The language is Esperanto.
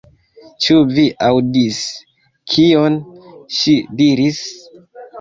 Ĉu vi aŭdis kion ŝi diris?